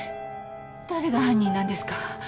誰が犯人なんですか？